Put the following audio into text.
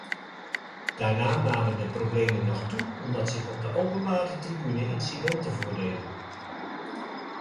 Daarna namen de problemen nog toe omdat zich op de openbare tribune incidenten voordeden.